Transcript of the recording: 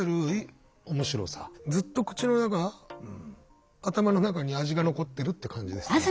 ずっと口の中頭の中に味が残ってるって感じですね。